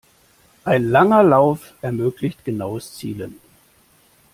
Ein langer Lauf ermöglicht genaues Zielen.